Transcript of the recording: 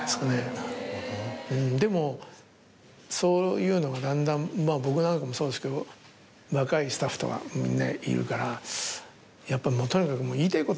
でもそういうのがだんだん僕なんかもそうですけど若いスタッフとかみんないるからやっぱりとにかく。